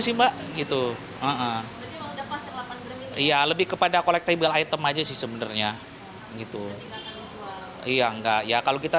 sih mbak itu ya lebih kepada collectable item aja sih sebenarnya gitu iya enggak ya kalau kita